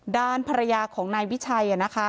ด้านภรรยาของนายวิชัยนะคะ